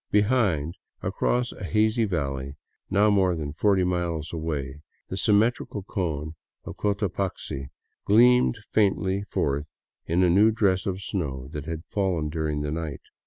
Behind, across a hazy valley, now more than forty miles away, the symmetrical cone of Cotapaxi gleamed faintly forth in a new dress of snow that had fallen during the night.